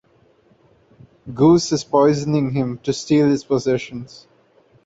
Goose is poisoning him to steal his possessions.